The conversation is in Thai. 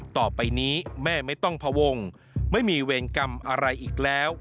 ต่อไปนี้แม่ไม่ต้องพวงไม่มีเวรกรรมอะไรอีกแล้ว